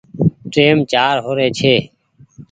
ٽيم چآر هو ري ڇي